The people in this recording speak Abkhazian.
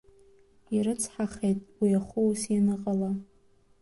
Ирыцҳахеит уи ахәы ус ианыҟала!